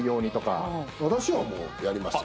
私はもうやりますよ。